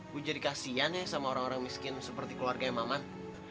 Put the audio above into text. gue jadi kasian ya sama orang orang miskin seperti keluarganya maman